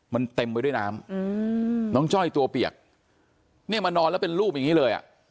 มันเต็มไปด้วยน้ำน้องจ้อยตัวเปียกเนี่ยมานอนแล้วเป็นรูปอย่างนี้เลยอ่ะ